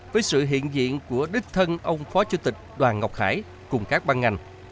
với sự hiện diện của đích thân ông phó chủ tịch đoàn ngọc hải cùng các ban ngành